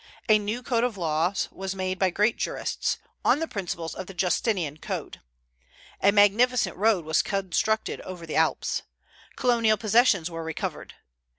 A new code of laws was made by great jurists, on the principles of the Justinian Code. A magnificent road was constructed over the Alps. Colonial possessions were recovered.